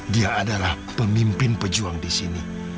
dia adalah pemimpin pejuang di sini